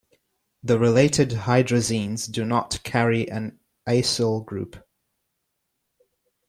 The related hydrazines do not carry an acyl group.